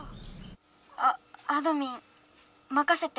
「ああどミンまかせて」。